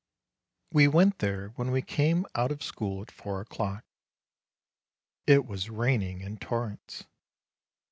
We went there when we came out of school at four o'clock. It was raining in torrents.